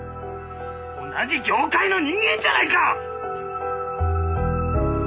同じ業界の人間じゃないか！